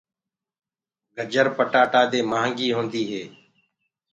گجر پٽآتآ دي مهآنگي هوندي هي۔